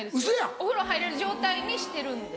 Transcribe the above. お風呂入れる状態にしてるんで。